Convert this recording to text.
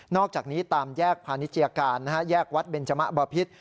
อกจากนี้ตามแยกพาณิชยาการแยกวัดเบนจมะบอพิษ